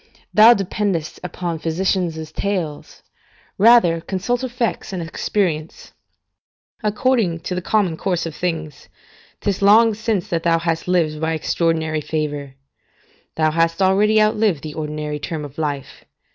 Thou dependest upon physicians' tales: rather consult effects and experience. According to the common course of things, 'tis long since that thou hast lived by extraordinary favour; thou hast already outlived the ordinary term of life.